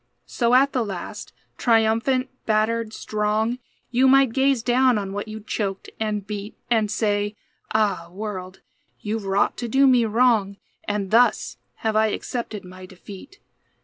So at the last, triumphant, battered, strong, You might gaze down on what you choked and beat, And say, "Ah, world, you've wrought to do me wrong; And thus have I accepted my defeat."